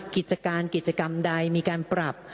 กิจการกิจกรรมใดมีการปรับ